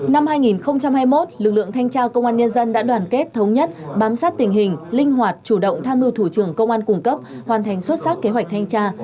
năm hai nghìn hai mươi một lực lượng thanh tra công an nhân dân đã đoàn kết thống nhất bám sát tình hình linh hoạt chủ động tham mưu thủ trưởng công an cung cấp hoàn thành xuất sắc kế hoạch thanh tra